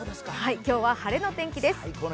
今日は晴れの天気です。